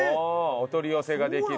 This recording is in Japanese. お取り寄せができる。